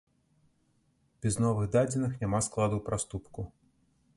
Без новых дадзеных няма складу праступку.